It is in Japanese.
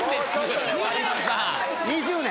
２０年。